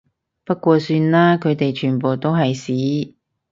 不過算啦，佢哋全部都係屎